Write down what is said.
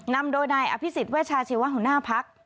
นำโดยนายอภิสิทธิ์ไว้ชาชาชีวร์หัวหน้าพัก